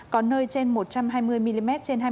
có nơi trên một trăm hai mươi mm trên hai mươi bốn h